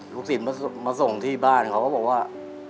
ลูกศิษย์มาส่งที่บ้านเขาก็บอกว่า